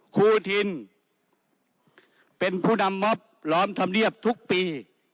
ครูทินเป็นผู้นำมอบล้อมธรรมเนียบทุกปี